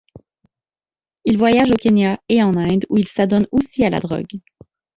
Il voyage au Kenya et en Inde où il s'adonne aussi à la drogue.